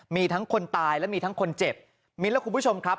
มีทั้งคนตายและมีทั้งคนเจ็บมิ้นและคุณผู้ชมครับ